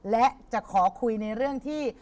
และจะขอคุยในเรื่องที่